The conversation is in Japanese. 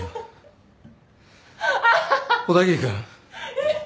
小田切君。